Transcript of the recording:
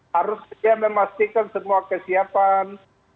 harus segera memastikan semua kesiapan